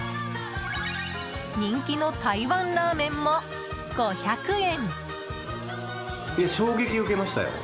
人気の台湾ラーメンも、５００円。